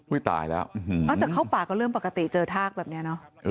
ตายแล้วแต่เข้าป่าก็เริ่มปกติเจอทากแบบนี้เนอะ